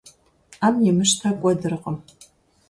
Ӏэм имыщтэ кӀуэдыркъым.